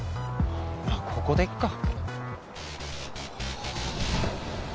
まあここでいっか。